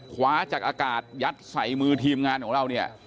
คว้าจากอากาศยัดใส่มือทีมงานของเราเนี่ย